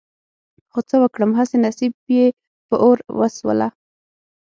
خو څه وکړم هسې نصيب يې په اور وسوله.